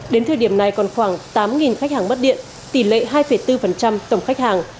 đến thời điểm này còn khoảng tám khách hàng mất điện tỷ lệ hai bốn tổng khách hàng